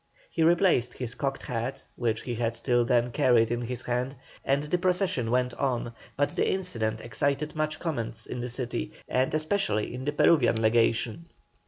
He replaced his cocked hat, which he had till then carried in his hand, and the procession went on, but the incident excited much comment in the city, and especially in the Peruvian legation.